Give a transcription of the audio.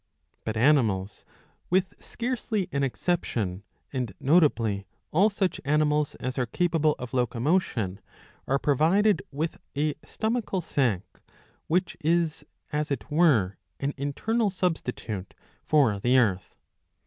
But animals, with scarcely an exception, and notably all such animals as are capable of locomotion, are provided with a stomachal sac,^ which is as it were an internal substitute for the earth.